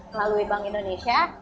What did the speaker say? melalui bank indonesia